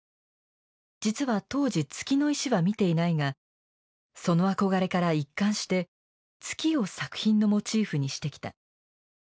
実は当時月の石は見ていないがその憧れから一貫して月を作品のモチーフにしてきた。